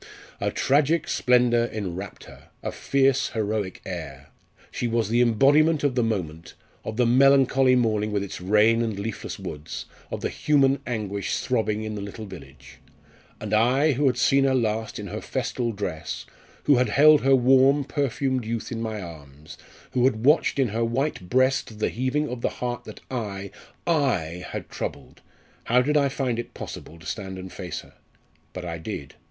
"A tragic splendour enwrapped her! a fierce heroic air. She was the embodiment of the moment of the melancholy morning with its rain and leafless woods of the human anguish throbbing in the little village. And I, who had seen her last in her festal dress, who had held her warm perfumed youth in my arms, who had watched in her white breast the heaving of the heart that I I had troubled! how did I find it possible to stand and face her? But I did.